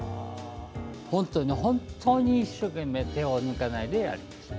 本当に一生懸命手を抜かないでやります。